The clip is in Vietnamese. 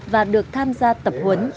và được tham gia tập huấn